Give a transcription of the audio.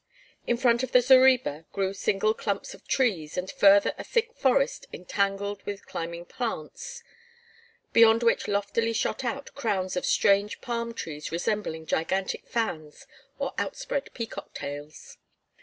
In front of the zareba grew single clumps of trees and further a thick forest entangled with climbing plants, beyond which loftily shot out crowns of strange palm trees resembling gigantic fans or outspread peacock tails.